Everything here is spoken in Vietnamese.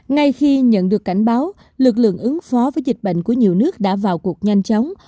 ngay khi nhận được cảnh báo lực lượng ứng phó với dịch bệnh của nhiều nước đã vào cuộc nhanh chóng